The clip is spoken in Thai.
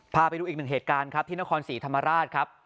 พาไปดูอีกหนึ่งเหตุการณ์ครับที่นครศรีธรรมราชครับ